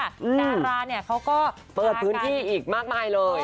ดาราเนี่ยเขาก็เปิดพื้นที่อีกมากมายเลย